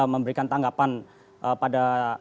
memberikan tanggapan pada